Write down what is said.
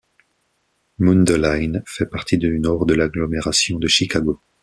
Mundelein fait partie du nord de l’agglomération de Chicago.